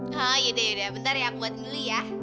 hah ya udah ya udah bentar ya aku buatin dulu ya